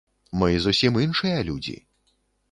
Мы зусім іншыя людзі.